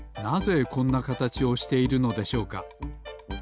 なぜこんなかたちをしているのでしょうか？